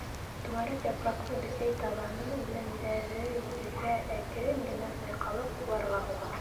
Түңәрәк япраҡлы бесәй табаны үләндәре, елгә әкрен генә сайҡалып, уларға һуға.